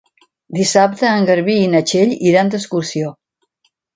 Dissabte en Garbí i na Txell iran d'excursió.